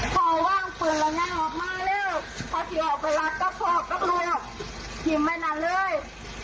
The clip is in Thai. พ่อว่างปืนแล้วงานออกมาแล้วพอที่ออกไปรักก็โภกก็โกรธหิมไว้นั่นเลย